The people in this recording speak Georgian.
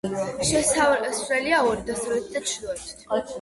შესასვლელი ორია: დასავლეთითა და ჩრდილოეთით.